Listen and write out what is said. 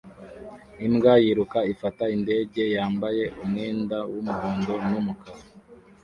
Imbwa yiruka ifata indege yambaye umwenda w'umuhondo n'umukara